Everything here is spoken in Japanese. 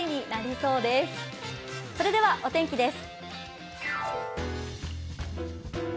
それではお天気です。